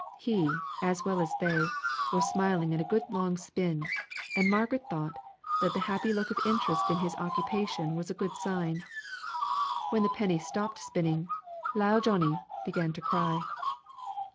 He, as well as they, was smiling at a good long spin; and Margaret thought, that the happy look of interest in his occupation was a good sign. When the penny stopped spinning, "lile Johnnie" began to cry.